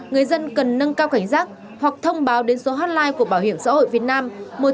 người dân cần nâng cao cảnh giác hoặc thông báo đến số hotline của bảo hiểm xã hội việt nam một nghìn chín trăm linh chín nghìn sáu mươi tám